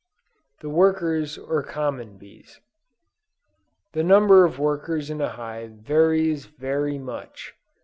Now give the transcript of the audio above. THE WORKERS OR COMMON BEES. The number of workers in a hive varies very much.